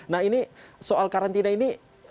nah ini soal karantina ini